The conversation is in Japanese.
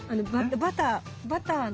バターの。